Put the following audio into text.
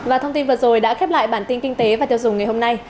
và thông tin vừa rồi đã khép lại bản tin kinh tế và tiêu dùng ngày hôm nay